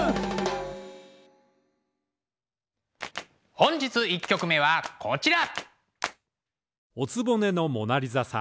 本日１曲目はこちら。